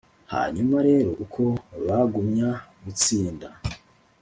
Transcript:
hanyuma rero uko bagumya gutsinda;